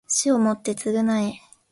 死をもって償え